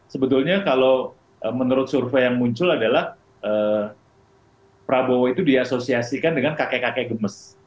sebetulnya kalau menurut survei yang muncul adalah prabowo itu diasosiasikan dengan kakek kakek gemes